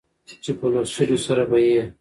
چې په لوستلو سره به يې